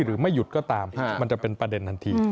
หรือไม่หยุดก็ตามมันจะเป็นประเด็นทันที